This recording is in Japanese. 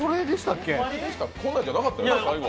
こんなんじゃなかったよ、最後。